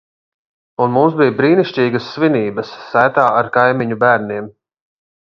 Un mums bija brīnišķīgas svinības sētā ar kaimiņu bērniem.